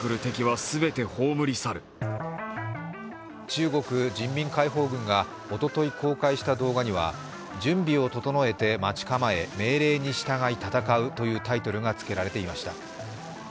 中国人民解放軍がおととい公開した動画には「準備を整えて待ち構え命令に従い戦う」というタイトルがつけられていました。